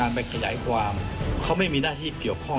สนุนโดยน้ำดื่มสิง